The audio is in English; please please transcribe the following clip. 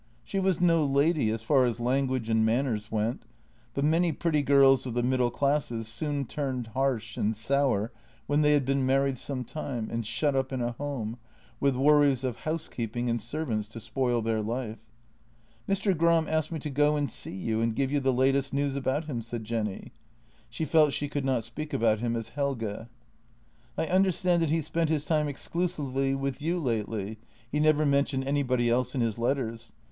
She was no lady as far as language and manners went — but many pretty girls of the middle classes soon turned harsh and sour when they had been married some time and shut up in a home, with worries of housekeeping and servants to spoil their life. " Mr. Gram asked me to go and see you and give you the latest news about him," said Jenny. She felt she could not speak about him as Helge. " I understand that he spent his time exclusively with you lately — he never mentioned anybody else in his letters.